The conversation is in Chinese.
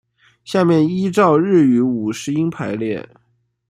下面依照日语五十音排列。